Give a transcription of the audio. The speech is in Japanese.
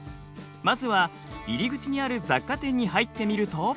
まずは入り口にある雑貨店に入ってみると。